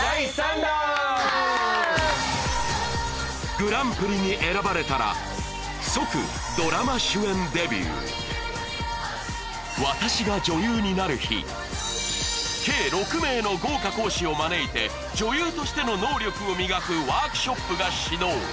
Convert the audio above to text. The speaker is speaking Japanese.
グランプリに選ばれたら即ドラマ主演デビュー計６名の豪華講師を招いて女優としての能力を磨くワークショップが始動